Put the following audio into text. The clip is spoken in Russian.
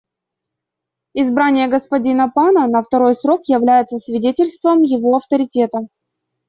Избрание господина Пана на второй срок является свидетельством его авторитета.